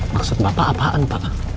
maksud bapak apaan pak